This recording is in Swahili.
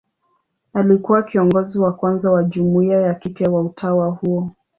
Alikuwa kiongozi wa kwanza wa jumuia ya kike wa utawa huo.